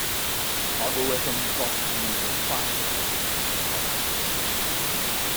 His algorithm thus enables faster business and policy decisions.